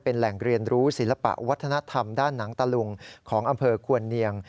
แหล่งเรียนรู้ศิลปะวัฒนธรรมด้านหนังตะลุงของอำเภอควรเนียง